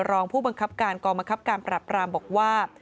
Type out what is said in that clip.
รองผู้บังคับการกองบังคับการปรับรามบอกว่า